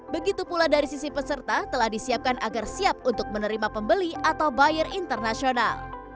begitu pula dari sisi peserta telah disiapkan agar siap untuk menerima pembeli atau buyer internasional